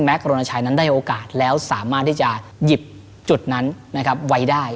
โรนชัยนั้นได้โอกาสแล้วสามารถที่จะหยิบจุดนั้นนะครับไว้ได้